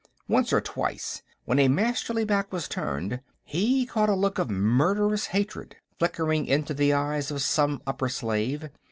Once or twice, when a Masterly back was turned, he caught a look of murderous hatred flickering into the eyes of some upper slave.